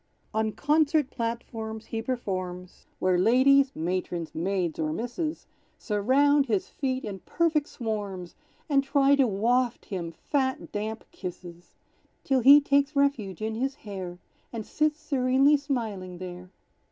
On concert platforms he performs, Where ladies, (matrons, maids or misses), Surround his feet in perfect swarms, And try to waft him fat damp kisses; Till he takes refuge in his hair, And sits serenely smiling there.